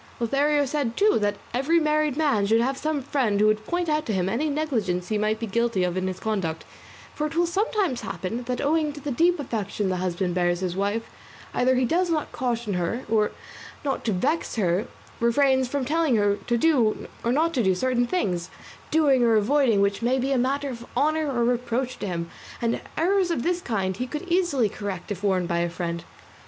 Lothario said, too, that every married man should have some friend who would point out to him any negligence he might be guilty of in his conduct, for it will sometimes happen that owing to the deep affection the husband bears his wife either he does not caution her, or, not to vex her, refrains from telling her to do or not to do certain things, doing or avoiding which may be a matter of honour or reproach to him; and errors of this kind he could easily correct if warned by a friend.